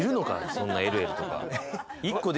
そんなＬＬとか。